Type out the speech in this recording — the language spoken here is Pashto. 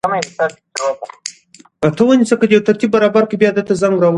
د پانګې اچونې ډولونه زده کړئ.